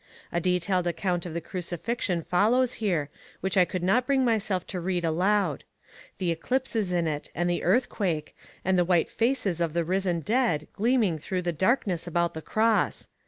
A detailed account of the crucifixion follows here, which I could not bring myself to read aloud. The eclipse is in it, and the earthquake, and the white faces of the risen dead gleaming through the darkness about the cross.